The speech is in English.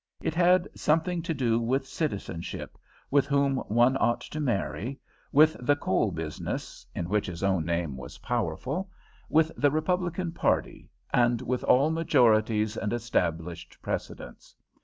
It had something to do with citizenship, with whom one ought to marry, with the coal business (in which his own name was powerful), with the Republican party, and with all majorities and established precedents.